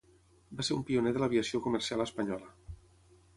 Va ser un pioner de l'aviació comercial espanyola.